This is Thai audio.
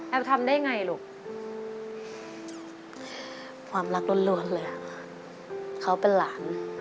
ทำได้ไงลูกความรักล้วนเลยเขาเป็นหลาน